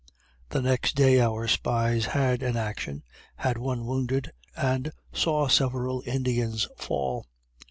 The next day our spies had an action had one wounded and saw several Indians fall.